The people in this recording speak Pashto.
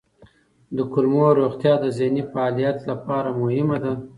د کولمو روغتیا د ذهني فعالیت لپاره مهمه ده.